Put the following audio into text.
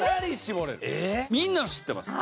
みんな知ってます。